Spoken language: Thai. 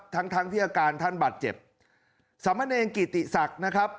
ทั้งทั้งที่อาการท่านบาดเจ็บสามเณรกิติศักดิ์นะครับ